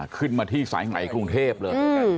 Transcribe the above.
ขึ้นมาที่สายใหม่กรุงเทพเลย